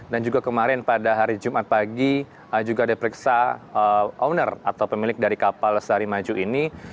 dan juga kemarin pada hari jumat pagi juga diperiksa owner atau pemilik dari kapal sehari maju ini